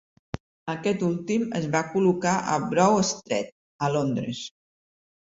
Aquest últim es va col·locar a Bow Street, a Londres.